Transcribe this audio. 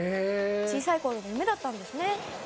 小さい頃の夢だったんですね。